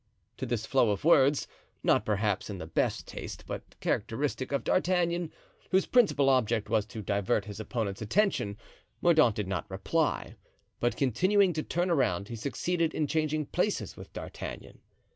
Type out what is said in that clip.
To this flow of words, not perhaps in the best taste, but characteristic of D'Artagnan, whose principal object was to divert his opponent's attention, Mordaunt did not reply, but continuing to turn around he succeeded in changing places with D'Artagnan.